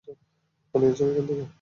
পালিয়ে যাও এখান থেকে!